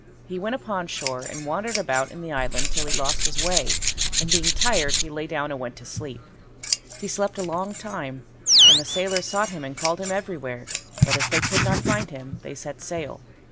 He went upon shore and wandered about in the island till he lost his way, and being tired he lay down and went to sleep. He slept a long time, and the sailors sought him and called him everywhere, but as they could not find him they set sail.